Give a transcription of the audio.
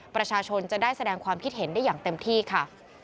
ประชาชนจะได้แสดงความคิดเห็นได้อย่างเต็มที่ค่ะ